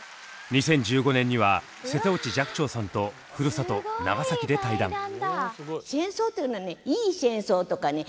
２０１５年には瀬戸内寂聴さんとふるさと長崎で対談。